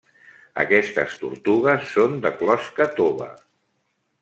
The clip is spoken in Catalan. Aquestes tortugues són de closca tova.